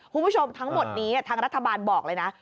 คุณผู้ชมทั้งหมดนี้ทางรัฐบาลบอกเลยนะ